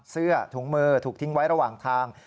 เสื้อถุงมือถูกทิ้งไว้ระหว่างทาง